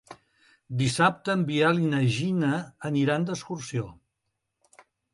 Dissabte en Biel i na Gina aniran d'excursió.